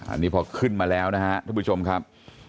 อันนี้พอขึ้นมาแล้วนะครับทุกผู้ชมครับ